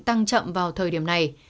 tăng chậm vào thời điểm này